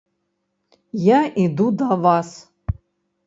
Я іду да вас.